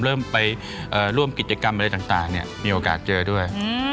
เริ่มไปร่วมกิจกรรมอะไรต่างมีโอกาสเจอด้วย